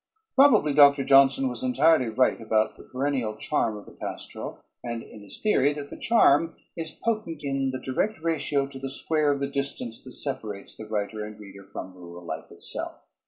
] Probably Doctor Johnson was entirely right about the perennial charm of the pastoral and in his theory that its charm is potent in the direct ratio to the square of the distance that separates the writer and reader from rural life itself.